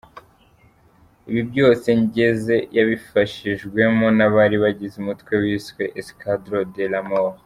Ibi byose Ngeze yabifashijwemo n’abari bagize umutwe wiswe Escadro de la mort.